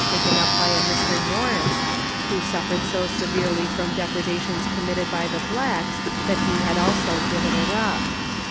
175 taken up by a Mr. Norris, who suffered so severely from depreda tions committed by the blacks that he had also given it up.